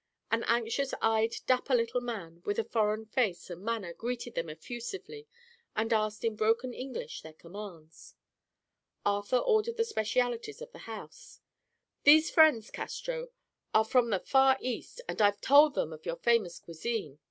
An anxious eyed, dapper little man with a foreign face and manner greeted them effusively and asked in broken English their commands. Arthur ordered the specialties of the house. "These friends, Castro, are from the far East, and I've told them of your famous cuisine.